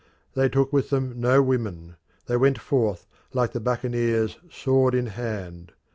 They took with them no women; they went forth, like the buccaneers, sword in hand.